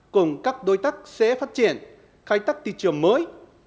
cùng các đối tác sẽ phát triển khai tác thị trường mới